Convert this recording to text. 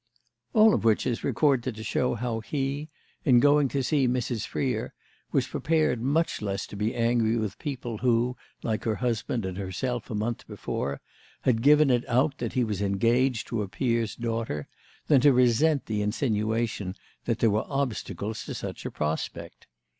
All of which is recorded to show how he, in going to see Mrs. Freer, was prepared much less to be angry with people who, like her husband and herself a month before, had given it out that he was engaged to a peer's daughter, than to resent the insinuation that there were obstacles to such a prospect.